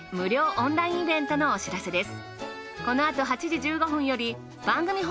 オンラインイベントのお知らせです。